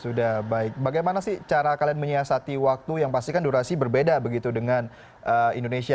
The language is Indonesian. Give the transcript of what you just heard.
sudah baik bagaimana sih cara kalian menyiasati waktu yang pasti kan durasi berbeda begitu dengan indonesia